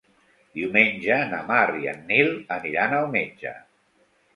Diumenge na Mar i en Nil aniran al metge.